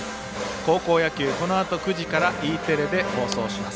高校野球、このあと９時からＥテレで放送します。